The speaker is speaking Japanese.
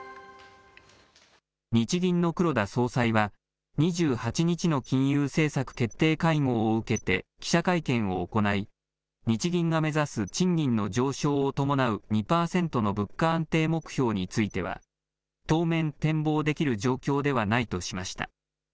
日銀の黒田総裁は、２８日の金融政策決定会合を受けて記者会見を行い、日銀が目指す賃金の上昇を伴う２％の物価安定目標については、当面、展望できる状況ではないとしました。